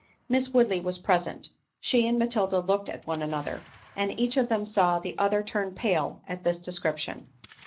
Miss Woodley was present; she and Matilda looked at one another; and each of them saw the other turn pale at this description.